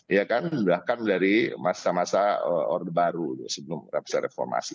ya kan bahkan dari masa masa orde baru sebelum masa reformasi